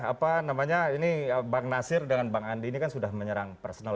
apa namanya ini bang nasir dengan bang andi ini kan sudah menyerang personal